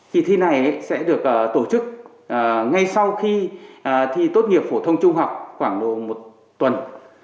kỳ thi này sẽ được tổ chức ngay sau khi thi tốt nghiệp phổ thông trung học khoảng một tuần